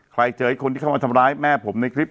เจอคนที่เข้ามาทำร้ายแม่ผมในคลิป